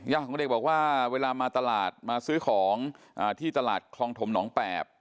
ของเด็กบอกว่าเวลามาตลาดมาซื้อของที่ตลาดคลองถมหนองแปบ